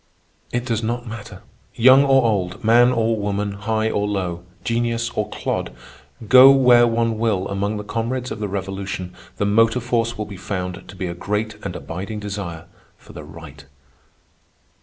It does not matter, young or old, man or woman, high or low, genius or clod, go where one will among the comrades of the Revolution, the motor force will be found to be a great and abiding desire for the right.